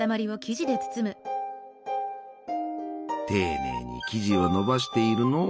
丁寧に生地をのばしているのう。